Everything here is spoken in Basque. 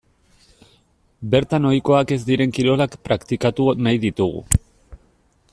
Bertan ohikoak ez diren kirolak praktikatu nahi ditugu.